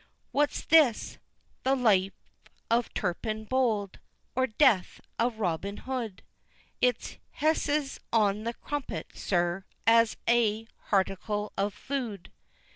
What's this? 'The life of Turpin Bold!' or 'Death of Robin Hood'?" "It's 'Hessays on the Crumpet,' sir, as a harticle of food!"